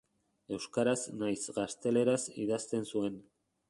Euskaraz nahiz gazteleraz idazten zuen.